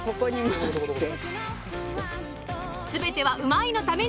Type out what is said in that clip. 全てはうまいッ！のために。